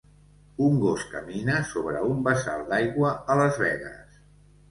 Un gos camina sobre un bassal d'aigua a Las Vegas.